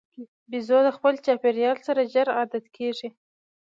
بیزو د خپل چاپېریال سره ژر عادت کېږي.